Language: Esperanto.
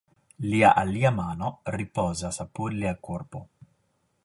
Lia alia mano ripozas apud lia korpo.